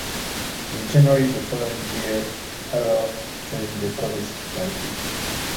In January of the following year Aro joined the Progressive party.